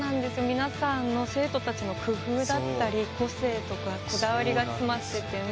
皆さんの生徒たちの工夫だったり個性とかこだわりが詰まっててね